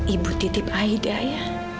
ibu titip aida ya